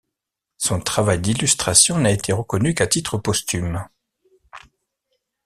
Son travail d'illustration n'a été reconnu qu'à titre posthume.